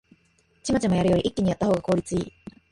チマチマやるより一気にやったほうが効率いい